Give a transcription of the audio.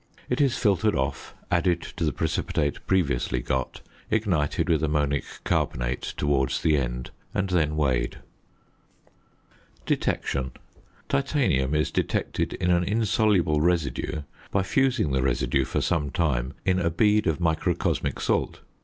It is filtered off, added to the precipitate previously got, ignited with ammonic carbonate towards the end, and then weighed. ~Detection.~ Titanium is detected in an insoluble residue by fusing the residue for some time in a bead of microcosmic salt.